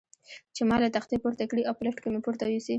چې ما له تختې پورته کړي او په لفټ کې مې پورته یوسي.